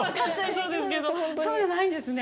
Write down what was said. そうじゃないんですね？